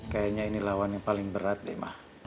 kayaknya ini lawanan yang paling grat deh ma